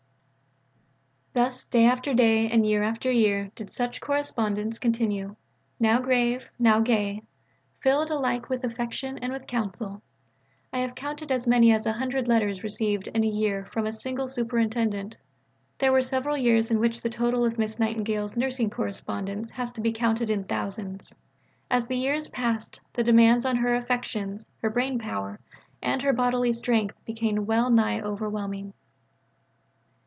Thus day after day and year after year did such correspondence continue now grave, now gay; filled alike with affection and with counsel. I have counted as many as a hundred letters received in a year from a single Superintendent. There were several years in which the total of Miss Nightingale's nursing correspondence has to be counted in thousands. As the years passed the demand on her affections, her brain power, and her bodily strength became well nigh overwhelming.